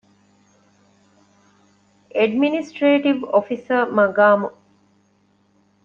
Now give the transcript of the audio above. އެޑްމިނިސްޓްރޭޓިވް އޮފިސަރ މަޤާމު